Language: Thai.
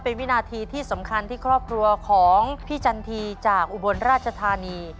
เป็นวินาทีที่สำคัญที่ครอบครัวของพี่จันทีจากอุบลราชธานี